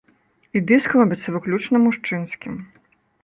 І дыск робіцца выключна мужчынскім.